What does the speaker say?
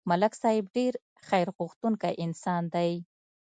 ملک صاحب ډېر خیرغوښتونکی انسان دی